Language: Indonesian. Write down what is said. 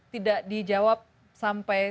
tidak dijawab sampai